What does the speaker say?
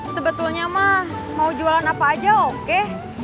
sebetulnya mah mau jualan apa aja oke